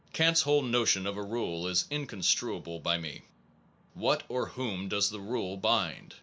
2 Kant s whole notion of a rule is inconstruable by me. What or whom does the rule bind?